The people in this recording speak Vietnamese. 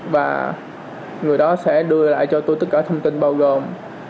và người đó sẽ đưa lại cho tôi tất cả thông tin bao gồm